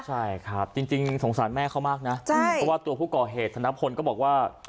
ใช่ครับจริงสงสารแม่เขามากนะเพราะว่าตัวผู้ก่อเหตุธนพลก็บอกว่า